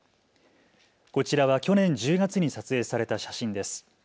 こちらは去年１０月に撮影された写真です。